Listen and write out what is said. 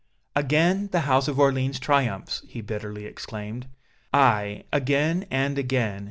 "Again the House of Orléans triumphs!" he bitterly exclaimed. "Aye, again and again!